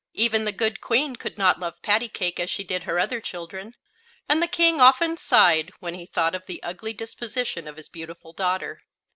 Even the good Queen could not love Pattycake as she did her other children, and the King often sighed when he thought of the ugly disposition of his beautiful daughter.